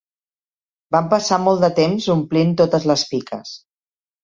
Vam passar molt de temps omplint totes les piques